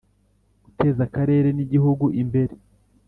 guteza Akarere n Igihugu imbere